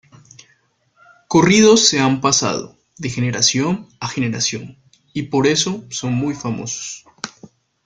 Corridos se han pasado de generación a generación, y por eso son muy famosos.